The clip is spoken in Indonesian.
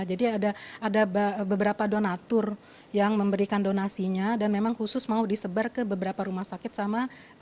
jadi ada beberapa donatur yang memberikan donasinya dan memang khusus mau disebar ke beberapa rumah sakit sama sekolah gitu